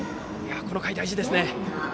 この回、大事ですね。